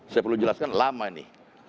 saya perlu jelaskan lama ini